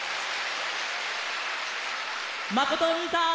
まことおにいさん！